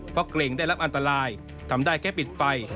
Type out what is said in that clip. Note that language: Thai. เพราะเกรงได้รับอันตรายทำได้แค่ปิดไฟ